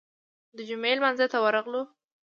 د جمعې لمانځه ته ورغلو.